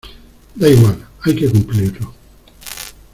da igual, hay que cumplirlo.